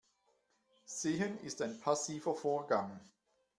Sehen ist ein passiver Vorgang.